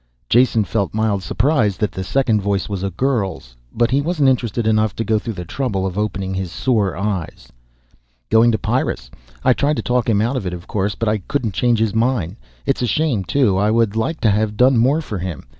Jason felt mild surprise that the second voice was a girl's. But he wasn't interested enough to go to the trouble of opening his sore eyes. "Going to Pyrrus. I tried to talk him out of it, of course, but I couldn't change his mind. It's a shame, too, I would like to have done more for him.